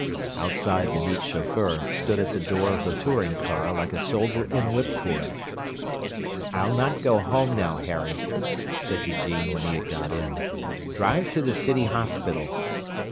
Outside, the neat chauffeur stood at the door of the touring car like a soldier in whip cord. "I'll not go home now, Harry," said Eugene, when he had got in. "Drive to the City Hospital."